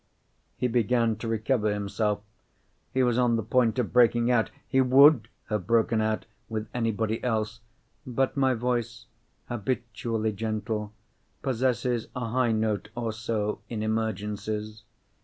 He began to recover himself; he was on the point of breaking out—he would have broken out, with anybody else. But my voice (habitually gentle) possesses a high note or so, in emergencies.